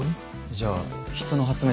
じゃあ人の発明